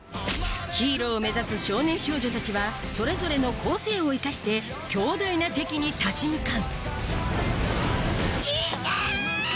ヒーローを目指す少年少女たちはそれぞれの個性を生かして強大な敵に立ち向かう行け‼